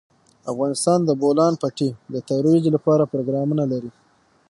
افغانستان د د بولان پټي د ترویج لپاره پروګرامونه لري.